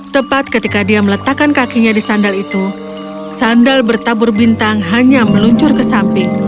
tepat ketika dia meletakkan kakinya di sandal itu sandal bertabur bintang hanya meluncur ke samping